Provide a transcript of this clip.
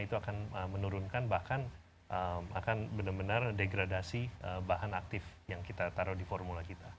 itu akan menurunkan bahkan akan benar benar degradasi bahan aktif yang kita taruh di formula kita